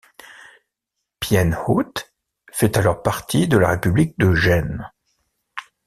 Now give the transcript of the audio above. Piène-Haute fait alors partie de la république de Gênes.